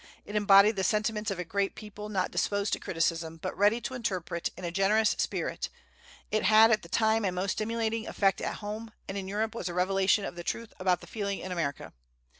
It embodied the sentiments of a great people not disposed to criticism, but ready to interpret in a generous spirit; it had, at the time, a most stimulating effect at home, and in Europe was a revelation of the truth about the feeling in America.